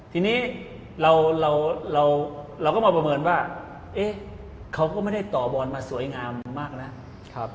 ทีนี้เราก็มาประเมินว่าเขาก็ไม่ได้ต่อบอลมาสวยงามมากแล้ว